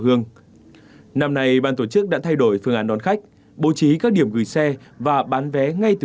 hương năm nay ban tổ chức đã thay đổi phương án đón khách bố trí các điểm gửi xe và bán vé ngay từ